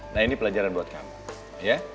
nah ini pelajaran buat kami ya